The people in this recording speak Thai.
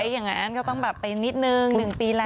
อย่างนั้นก็ต้องแบบไปนิดนึง๑ปีแล้ว